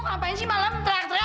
lo ngapain sih malem teriak teriak